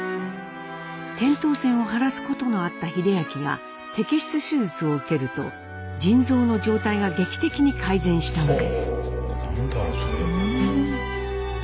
扁桃腺を腫らすことのあった英明が摘出手術を受けると腎臓の状態が劇的に改善したのです。